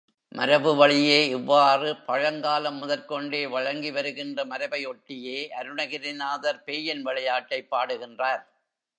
மரபு வழியே இவ்வாறு பழங்காலம் முதற்கொண்டே வழங்கி வருகின்ற மரபை ஒட்டியே அருணகிரிநாதர் பேயின் விளையாட்டைப் பாடுகின்றார்.